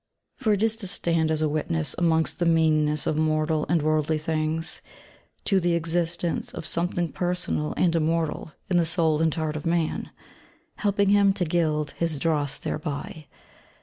For it is to stand as a witness, amongst the meannesses of mortal and worldly things, to the existence of Something personal and immortal in the soul and heart of man, helping him 'to gild his dross thereby.'